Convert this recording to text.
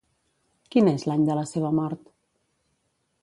Quin és l'any de la seva mort?